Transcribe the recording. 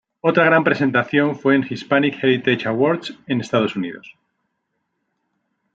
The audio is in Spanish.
Otra gran presentación fue en 'Hispanic Heritage Awards en Estados Unidos.